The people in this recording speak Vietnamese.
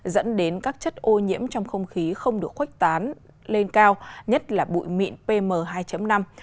dẫn đến các chất ô nhiễm trong không khí không được khuếch tán lên cao nhất là bụi mịn pm hai năm